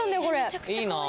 これ。